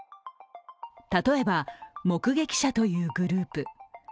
例えば、目撃者というグループ。